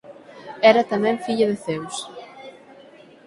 Era tamén filla de Zeus.